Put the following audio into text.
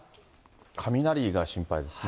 雷が心配ですね。